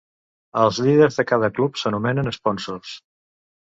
Els líders de cada club s'anomenen "sponsors".